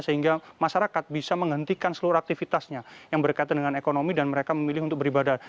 sehingga masyarakat bisa menghentikan seluruh aktivitasnya yang berkaitan dengan ekonomi dan mereka memilih untuk beribadah